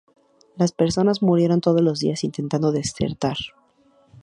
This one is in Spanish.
Las personas murieron todos los días intentando desertar.